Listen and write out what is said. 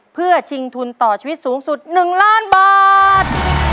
เพื่อชิงทุนต่อชีวิตสูงสุด๑ล้านบาท